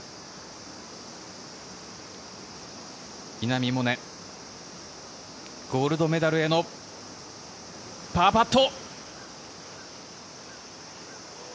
稲見萌寧、ゴールドメダルへのパーパット。